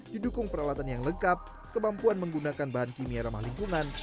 didukung peralatan yang lengkap kemampuan menggunakan bahan kimia ramah lingkungan